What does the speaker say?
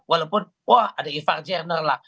walaupun wah ada ivar zerner lah